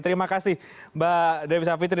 terima kasih mbak dewi savitri